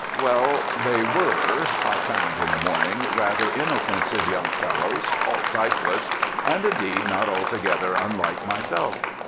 Well, they were, I found in the morning, rather inoffensive young fellows, all cyclists, and indeed not altogether unlike myself.